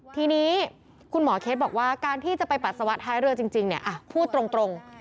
ทีนี้คุณหมอเคสบอกว่าการที่จะไปปัสสาวะท้ายเรือจริงเนี่ยพูดตรง